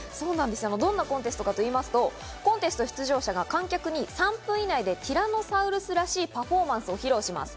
どんなコンテストかと言いますと、コンテスト出場者が観客に３分以内でティラノサウルスらしいパフォーマンスを披露します。